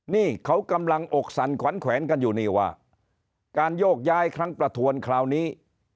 นี่เขากำลังอกสั่นขวัญแขวนกันอยู่นี่ว่าการโยกย้ายครั้งประทวนคราวนี้